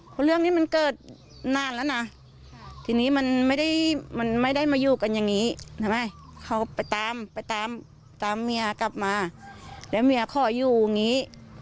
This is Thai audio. ว่าเรื่องนี้มันเกิดนานแล้วนะทีนี้มันไม่ได้มายู่กันแบบนี้